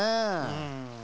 うん。